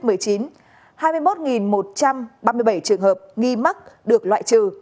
hai mươi một một trăm ba mươi bảy trường hợp nghi mắc được loại trừ